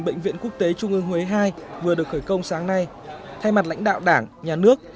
bệnh viện quốc tế trung ương huế ii vừa được khởi công sáng nay thay mặt lãnh đạo đảng nhà nước